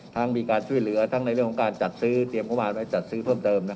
ทั้งมีการช่วยเหลือณในโรงการจัดซื้อเตรียมความออนไลน์จัดซื้อเพิ่มเติม